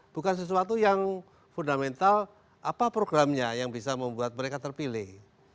bukan sesuatu yang fundamental apa programnya yang bisa membuat mereka terpilih